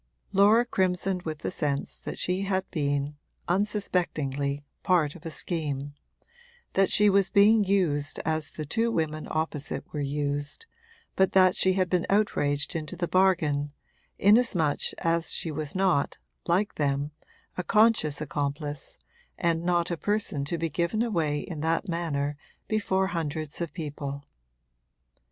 Laura crimsoned with the sense that she had been, unsuspectingly, part of a scheme, that she was being used as the two women opposite were used, but that she had been outraged into the bargain, inasmuch as she was not, like them, a conscious accomplice and not a person to be given away in that manner before hundreds of people.